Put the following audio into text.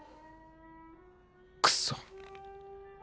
クソ！